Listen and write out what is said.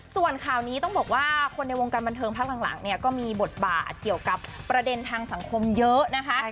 ส่วนข่าวนี้ต้องบอกว่าคนในวงการบันเทิงพักหลังเนี่ยก็มีบทบาทเกี่ยวกับประเด็นทางสังคมเยอะนะคะ